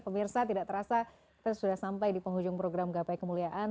pemirsa tidak terasa kita sudah sampai di penghujung program gapai kemuliaan